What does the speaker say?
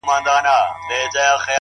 ه ستا د سترگو احترام نه دی، نو څه دی،